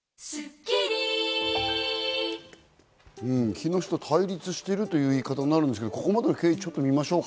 日野市と対立してるという言い方になるんですけど、ここまでの経緯を見ましょうか。